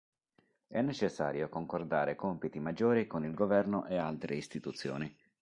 È necessario concordare compiti maggiori con il governo e altre istituzioni.